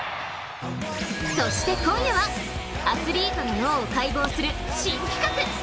そして今夜はアスリートの能を解剖する新企画。